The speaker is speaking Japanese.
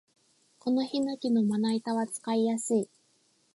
このヒノキのまな板は使いやすい